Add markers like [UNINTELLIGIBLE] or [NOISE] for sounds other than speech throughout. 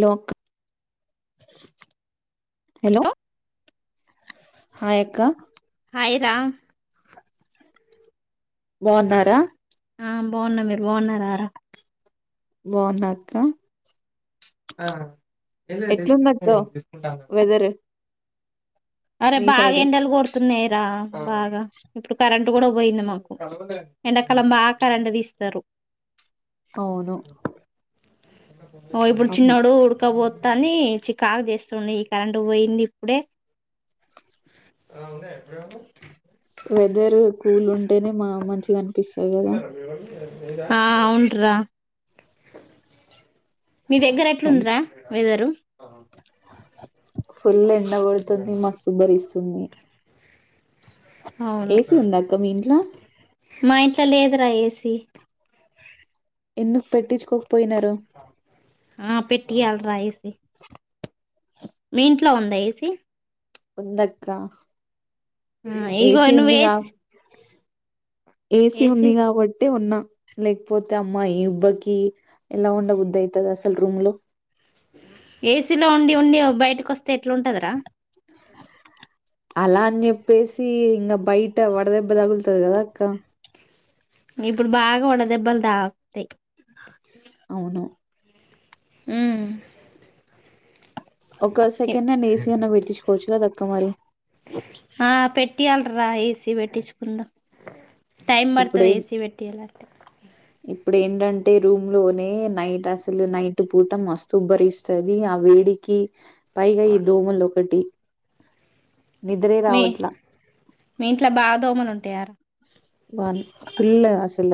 Lok hello హాయక్క hi రా బావ్ న్నారా ఆ బావున్నాం మీరు బావున్నారా బావున్న అక్క ఆ ఏంది డిస్కూ ఎట్లుందక్క డీస్కుంటానా వెదర్ అరే మీ బాగా సైడ్ ఎండలు కొడుతున్నాయి రా బాగా ఇప్పుడు కరెంట్ గూడా పోయింది. మాకు ఎండాకాలం బా కరెంటు దీస్తరు అవును ఓ ఇప్పుడు అవును చిన్నోడు ఉడకబోత్తంది చికాకు జే స్తుండు ఈ కరెంట్ బోయింది ఇప్పుడే ఏమన్నా వున్నాయ ఏమన్నా వెదర్ కూల్ ఉంటేనే మా మంచిగను ఆ అవున్రా మీ దగ్గర అవును ఎట్లుందిరా వెదరు ఫుల్ ఎండగొడుతుంది మస్తు ఉబ్బరిస్తుంది అవును ఏసీ ఉందా అక్క మీ ఇంట్లో మా ఇంట్లో లేదురా ఏ సి ఎందుకు పెట్టించుకోకపోయినరా ఆ పెట్టియాల్రా ఏ సి [UNINTELLIGIBLE] మీ ఇంట్లో ఉందా ఏసి ఉందక్క మ్మ్ ఇగో ఏసీ నువ్ ఏ ఉందిగా సి ఏసీ ఉంది గాబాట్ ట్టి ఉన్నా లేకపోతే అమ్మా ఈ ఉబ్బకి ఎలా ఉండబుదైతది అసలు రూమ్ లో ఏసీలో ఉండి ఉండి ఒ బయటకి కొస్తే ఎట్లుంటదిరా అలా అన్ జెప్ పేసి ఇంగ బయట వడదెబ్బ దగులతది గద అక్క గిప్పుడు బాగా వడదెబ్బలు దాక్తయ్ అవును మ్మ్ ఒక సెకండ్ హ్యాండ్ ఏసీ అన్న పెట్టించుకోవచ్చు గదక్కా మరి ఆ పెట్టియలరా ఎసి ఏసి పెట్టించుకుందాం టైం ఇప్పుడే పడుతుంది ఏసీ పెట్టియాలంటే ఇప్పుడు ఏంటంటే రూమ్ లోనే నైట్ అసలు నైట్ పూట మస్తుబ్బరిస్తది అవి వేడికి పైగా ఈ దోమలు ఒకటి నిద్రే మీ రావట్లా మీ ఇంట్లో బాదోమలు ఉంటాయార వాన్ పల్ల అసల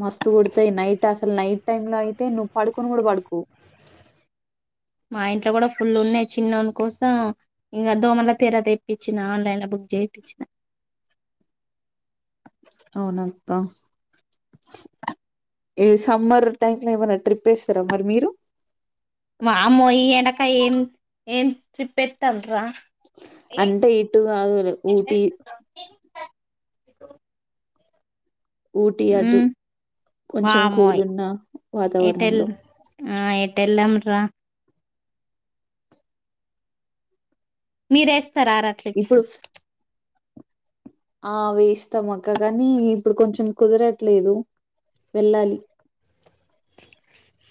మస్తు గుడతాయి నైట్ అసలు నైట్ టైమ్ లో అయితే నువ్వు పడుకొను గూడా పడుకోవ్ మా ఇంట్లో కూడా ఫుల్ ఉన్నాయి చిన్నోను కోసం ఇంగా దోమల తెరా తెప్పచ్చిన ఆన్లైన్ బు జెపిచ్చినా అవునత్త ఏ సమ్మర్ టైమ్ లో ఏమైనా ట్రిప్ ఏస్తరా మరి మీరు మామ్మో ఈ ఎడక ఏం ఏం ట్రిప్ ఎత్తం అంట ఇటు గాదులే ఊటి ఊటీ అటు మ్మ్ కొంచెం కూల్ వామోయ్ ఉన్న ఏటల్ వాతావరణంలో ఆ ఏ ట్టెల్లం రా మీరేస్తారా రా ట్రిప్స్ ఇప్పుడు ఆ వేస్తాం అక్క కానీ ఇప్పుడు కొంచెం కుదరట్లేదు వెళ్ళాలి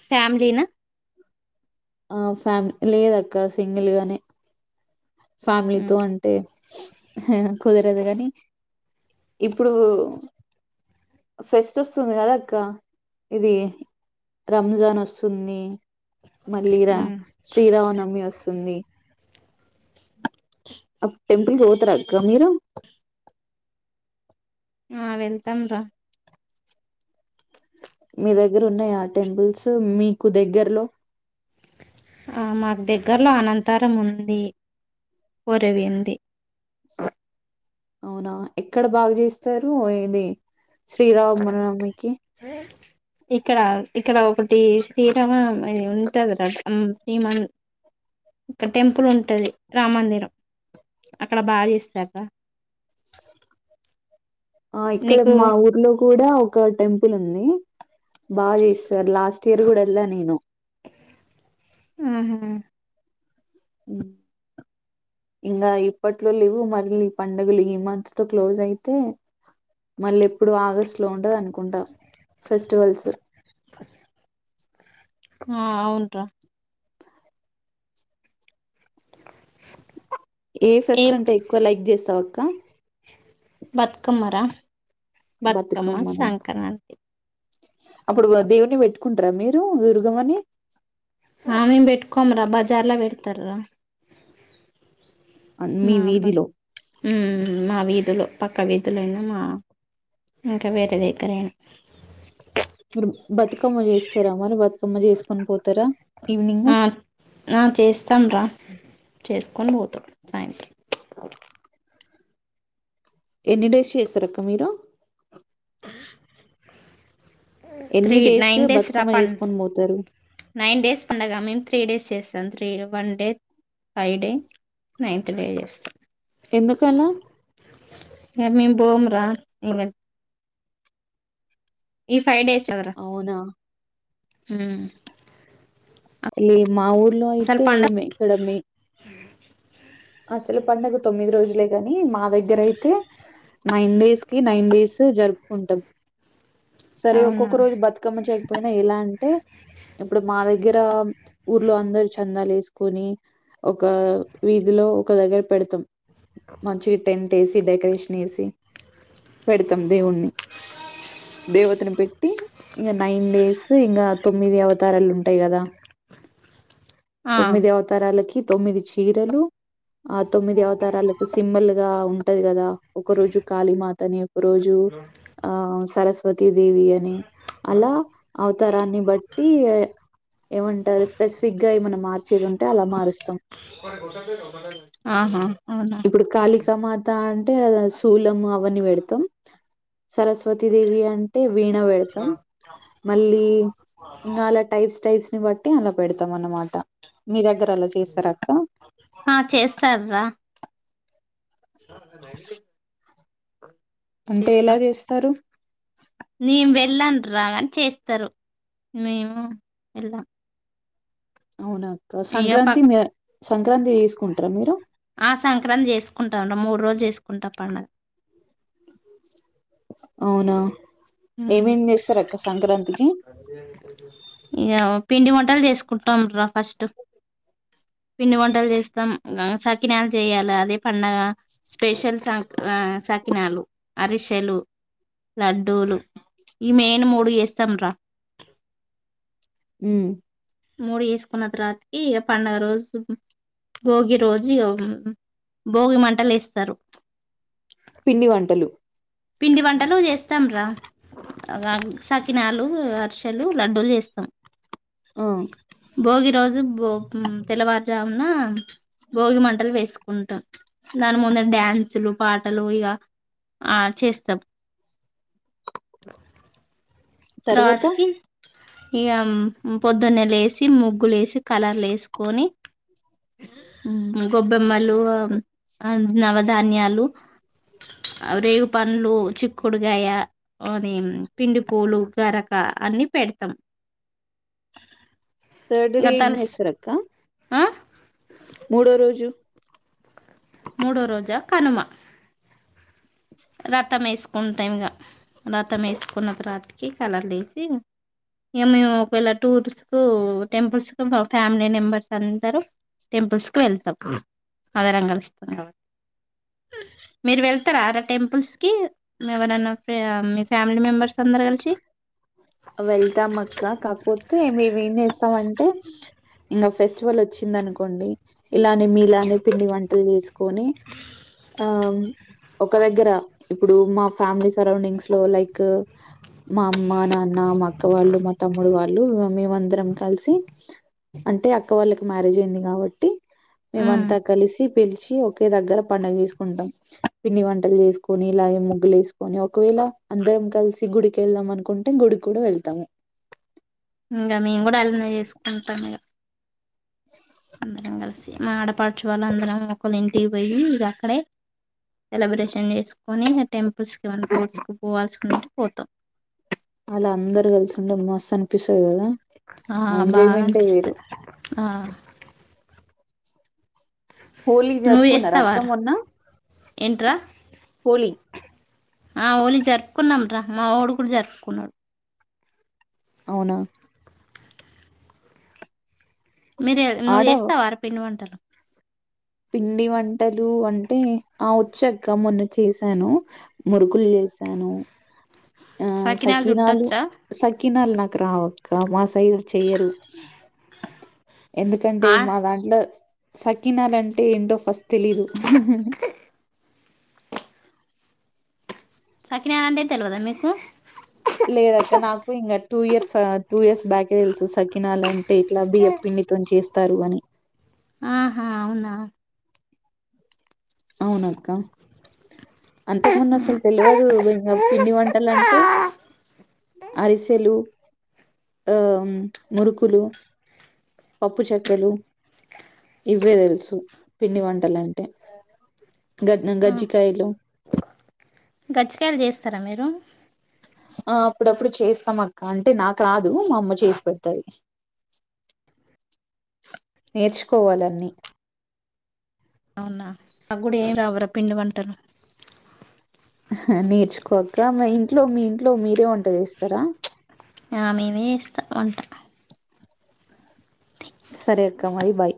ఫ్యామలీ నా ఆ ఫ్యామి లేదక్క సింగిల్ గానే ఉమ్ ఫ్యామిలీతో అంటే కుదరదు కాని ఇప్పుడు ఫెస్ట్ వస్తుంది కదా అక్క ఇది రంజాన్ వస్తుంది మళ్ళీ రా ఉమ్ శ్రీరామనమి వస్తుంది అబ్ టెంపుల్స్ పోతారక్క మీరు ఆ వెళ్తాము రా మీ దగ్గర ఉన్నాయా ఆ టెంపుల్స్ మీకు దగ్గరలో ఆ మాకు దగ్గర్లో అనంతరము ఉంది వరవేంది అవునా ఎక్కడ బాగా చేస్తారు ఇది శ్రీరామ్నమ్మికి ఇక్కడ ఇక్కడ ఒకటి శ్రీరామ ఉంటది రా శ్రీ మన్ ఒక టెంపుల్ ఉంటది రామమందిరం అక్కడ బాగా చేస్తారూ రా ఆ ఇక్కడ నీకు మా ఊర్లో కూడా ఒక టెంపుల్ ఉంది బాగా చేస్తారు లాస్ట్ ఇయర్ కూడా వెళ్ళా నేను ఆహా ఉ ఇంకా ఇప్పట్లో లేవు మళ్ళీ ఈ పండుగలు ఈ మంత్ తో క్లోజ్ అయితే మళ్ళీ ఎప్పుడు ఆగస్ట్ లో ఉంటది అనుకుంట ఫెస్టివల్స్ ఆ అవునురా ఏ ఫెస్ట్ అంటే ఎక్కువ లైక్ చేస్తావాక్క బతుకమ్మరా బతుకమ్మ బతుకమ్మనా సంక్రాంతి అప్పుడు దేవుని పెట్టుకుంటారా మీరు దుర్గంమని ఆ పెట్కోమరా బజార్లా పెడతారూ రా మీ మా బస్ వీధిలో మావి లు పక్క వీధులనా మా ఇంకా వేరే దగ్గరయినా మీరు బతుకమ్మ చేస్తారా మరి బతుకమ్మ చేసుకొని పోతారా ఈవినింగ్ ఆ చేస్తాము రా చేసుకొని పోతాం సాయంత్రం ఎన్ని డేస్ చేస్తారుక్క మీరు ఎన్ని త్రీ నైన్ డేస్ రా బతుకమ్మ పం చేసుకొని పోతారు నైన్ డేస్ పండగ మేము త్రీ డేస్ చేస్తాం three one day five day ninth పే చేస్తాం ఎందుకలా హ్ మ్మ్ మేము బోమ్రా ఇ ఈ ఫైవ్ డేస్ కదా రా అవునా ఇలీ మా ఊర్లో అసలు యితే పండగ ఏమే కడమే అసలు పడుగ తొమ్మిది రోజులే కాని మా దగ్గర అయితే నైన్ డేస్ కి నైన్ డేస్ జరుపుకుంటాం సరే అవునా ఒక్కొక్క రోజు బతుకమ్మ చేయకపోయినా ఎలా అంటే ఇప్పుడు మా దగ్గర దగ్గర ఊర్లో అందరు చందాలు వేసుకొని ఒక ఇదిలో ఒక దగ్గర పెడతాం మంచిగా టెంట్ వేసి డెకరేషన్ వేసి పెడతాం దేవుణ్ణి దేవతను పెట్టి ఇంకా నైన్ డేస్ ఇంకా తొమ్మిది అవతారాలు ఉంటాయి కదా ఆ తొమ్మిది అవతారాలకి తొమ్మిది చీరలు ఆ తొమ్మిది అవతారాలకు సింబల్ గా ఉంటది కదా ఒక రోజు కాళీమాత అని ఒక రోజు ఆ సరస్వతీ దేవి అని అలా అవతరాన్ని బట్టి ఏమంటారు స్పెసిఫిక్గా ఏమన్నా మార్చేది ఉంటే అలా మారుస్తాం ఆహా అవునా ఇప్పుడు కాళిక మాత అంట్ టే శూలము, అవన్నీ పెడతాం. సరస్వతి దేవి అంటే వీణా పెడతం, మళ్ళీ ఇంగా అలా టైప్స్, టైప్స్ ని బట్టి అలా పెడతాం అన్నమాట. మీ దగ్గర అలా చేస్తార అక్క. ఆ చేస్తార్రా అంటే ఎలా చేస్తారు. నేన్ వెళ్ళన్రా గాని చేస్తారు. మేము ఏళ్ళాం అవునా క్కా, సంక్రాంతి పక్ మే సంక్రాంతి చేసుకుంట్ర. మీరు మూడ్రోలు చేసుకుంట. పండుగ అవునా ఉమ్. ఏమేం చేస్తారక్క సంక్రాంతికి. ఇగా పిండి వంటలు చేసుకుంటం రా. ఫస్టు పిండి వంటలు చేస్తాం. ఇంగ సకినాలు చెయ్యాలా అదే పండగా. స్పెషల్ సంక్ ఆ స కినాలు, అరిషెలు, లడ్డూలు ఈ మేన్ మూడు చేస్తాం రా. ఉమ్ మూడు చేసుకున్న తర్వాతికి. ఇగ పండుగ రోజుక్ హుం భోగి రోజి యోగం. భోగి మంటలేస్తారు. పిండి వంటలు పిండి వంటలు చేస్తాం రా. అగ్ గు సకినాలు, అరిసెలు, లడ్డూలు చేస్తాం. ఆ భోగి రోజు బోపం తెల్లవారుజామునా. భోగి మంటల్ వేస్క్ కుంటాం. దాని ముందట్ డ్యాన్సులు, పాటలు ఇగ ఆట్ చేస్తాం. తర్వాత తర్వాతికి ఇగం పొద్దున్నే లేసి, ముగ్గులు ఏసి, కలర్లు వేసుకొని. ఉమ్ గొబ్బెమ్మలు, ఆ నవధాన్యాలు, అవ్ రేగు పండ్లు, చిక్కుడుగాయ, అని పిండిపూలు, గరక అన్ని పెడ్తాం. థర్డ్ డే ఏం చేస్తారక్క. ఆ? మూడో రోజు మూడో రోజా కనుమ రతం వేసుకుంటా ఇంగా. రతం వేసుకున్న తార్వాతికి కలర్ల్యైసి. ఇగ మేము ఒకవేళ టూర్స్ కు, టెంపుల్స్ కు ఫ్యామిలీ నేంబర్స్ అందరు. టెంపుల్స్ కి వెళ్తాం. అందరం కలుస్తాం. కాబట్టి మీరు వెళ్తారారా టెంప్ పుల్స్కి. మీ ఎవరైనా మీ ఫ్యామిలీ మెంబెర్స్ అందరు కలిసి. వెళ్తాం అక్క. కాపోతే మేము ఏం చేస్తామంటే. ఇంగా ఫెస్టివల్ వచ్చిందనుకోండి. ఇలానే మీలానే పిండి వంటలు వేసుకొని. ఆమ్ ఒక దగ్గర ఇప్పుడు మా ఫ్యామిలీ సరౌండింగ్స్ లో లైక్. మా అమ్మ, నాన్న నా మా అక్క వాళ్ళు, మా తమ్ముడు వాళ్ళు, మేమందరం కలిసి. అంటే అక్క వాళ్ళకి మ్యారేజ్ అయింది కాబట్టి. ఉమ్. మేమంతా కలిసి పిలిచి ఒకే దగ్గర పండుగ చేసుకుంటాం. పిండి వంటలు చేసుకొని, ఇలాగే ముగ్గులు వేసుకొని. ఒకవేల్ లా అందరం కలిసి గుడికి వెళ్దాం అనుకుంటే. గుడికి కూడా వెళ్తాము. ఇంగా మేము కూడా అల్నే చేసుకుంటాం. ఇగా అందరం కలిసి. మా ఆడపాడుచు వాళ్ళ అందరం ఒక్కోలా ఇంటికి పోయి ఇగా అక్కడే. సెలబ్రేషన్ చేసుకొని. టెంపుల్స్ కేమన్న టుర్స్కి పోవాల్సుకుంటే పోతాం. అలా అందరు కలిసుంటే. మస్త్ అనిపిస్తది గాదా ఆ బాగా అనిపిస్తాద్. ఆ హోలీ నువ్వు జరుపుకున్నార అక్క చేస్తావారా మొన్న ఏంట్రా హోలీ ఆ ఓలీ జరుపుకున్నాంరా మా వోడు కూడా జరుపుకున్నాడు. అవునా? మీరు నువ్వు ఆడ చేస్తావార పిండి వంటలు పిండి వంటలు అంటే ఆ వచ్చక్క మొన్న చేశాను మురుకులు శాను హా సకినాలు సకిలాలు చుట్టొచ్చా సకి సకినాల్ నాకు రావక్క మా సైడ్ చెయ్యరు. ఎందుకంటే ఆ మా దాంట్లో సకినాలంటే ఏంటో ఫస్ట్ తెలీదు. సకినా అంటే తెలవదా మీకు? లేదక్క నాకు ఇంకా టూ ఇయర్స్ టూ ఇయర్స్ బ్యాకే తెలుసు సకినాల్ అంటే అంటే ఇట్లా బియ్యప్ పిండితో చేస్తారు అని. ఆహా అవునా? అవును అక్క అంతకు ముంద అసల్ తెలవదు. ఇగ పిండి వంటలంటే అరిసెలు ఆ మురుకులు పప్పు చెక్కలు ఇవే తెలుసు పిండి వంటలు అంటే గట్న గజ్జికాయ్లు గచ్చికాయ్లు చేస్తారా మీరు? ఆ అప్పుడప్పుడు చేస్తాం అక్క అంటే నాకు రాదు మా అమ్మ చేసి పెడతది. నేర్చుకోవాలన్నీ. ఆగ్గూడా ఏం రావ్రా పిండి వంటలు నేర్చుకో అక్క మీ ఇంట్లో మీ ఇంట్లో మీరే వంట చేస్తరా? ఆ మేమే చేస్తా వంట. సరే అక్క మరి బాయ్.